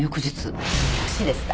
よろしいですか？